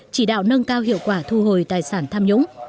chỉ đạo nâng cao hiệu quả thu hồi tài sản tham nhũng